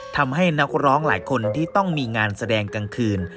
ทำให้นักร้องหลายคนที่ต้องมีงานแสดงกลางคืน